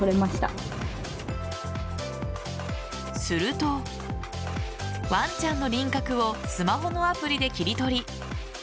するとワンちゃんの輪郭をスマホのアプリで切り取り。